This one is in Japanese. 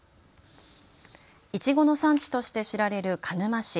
いちごの産地として知られる鹿沼市。